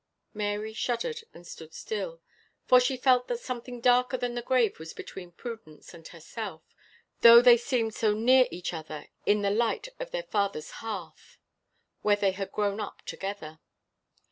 Mary shuddered and stood still, for she felt that something darker than the grave was between Prudence and herself, though they seemed so near each other in the light of their father's hearth, where they had grown up together.